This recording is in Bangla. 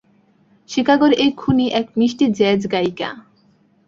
শিকাগোর এই খুনি এক মিষ্টি জ্যাজ গায়িকা।